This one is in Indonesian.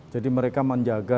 jadi mereka menjaga